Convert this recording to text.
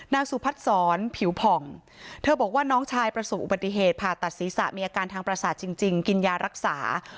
สุพัฒนศรผิวผ่องเธอบอกว่าน้องชายประสบอุบัติเหตุผ่าตัดศีรษะมีอาการทางประสาทจริงกินยารักษา